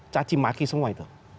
cacimaki semua itu